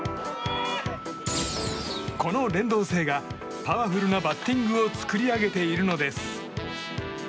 この連動性がパワフルなバッティングを作り上げているのです。